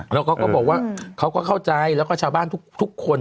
แล้วเขาก็บอกว่าเขาก็เข้าใจแล้วก็ชาวบ้านทุกคน